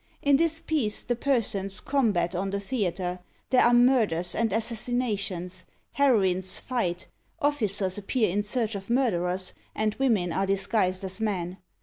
In this piece the persons combat on the theatre; there are murders and assassinations; heroines fight; officers appear in search of murderers, and women are disguised as men.